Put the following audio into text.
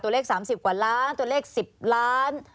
เลข๓๐กว่าล้านตัวเลข๑๐ล้าน